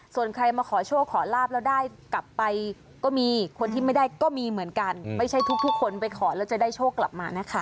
ส่วนใครมาขอโชคขอลาบแล้วได้กลับไปก็มีคนที่ไม่ได้ก็มีเหมือนกันไม่ใช่ทุกคนไปขอแล้วจะได้โชคกลับมานะคะ